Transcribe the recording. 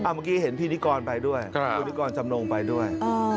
เมื่อกี้เห็นพี่นิกรไปด้วยคุณนิกรจำนงไปด้วย